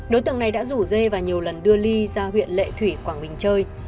đối tượng này đã rủ dê và nhiều lần đưa ly ra huyện lệ thủy quảng bình chơi